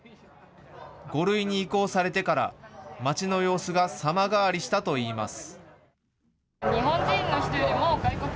５類に移行されてから街の様子が様変わりしたといいます。